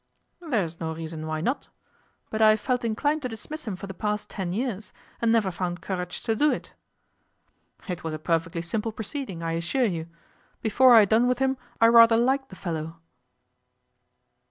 'There is no reason why not. But I have felt inclined to dismiss him for the past ten years, and never found courage to do it.' 'It was a perfectly simple proceeding, I assure you. Before I had done with him, I rather liked the fellow.